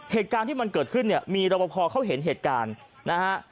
เหตุการณ์ที่มันเกิดขึ้นเนี่ยมีรบพอเขาเห็นเหตุการณ์นะฮะ